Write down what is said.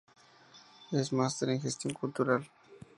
Es máster en Gestión Cultural.